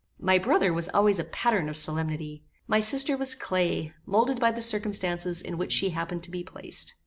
My brother was always a pattern of solemnity. My sister was clay, moulded by the circumstances in which she happened to be placed.